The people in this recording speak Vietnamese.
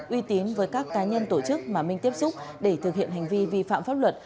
uy tín với các cá nhân tổ chức mà minh tiếp xúc để thực hiện hành vi vi phạm pháp luật